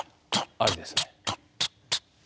ありですね。